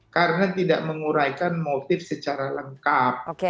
karena tidak menguraikan motif secara lengkap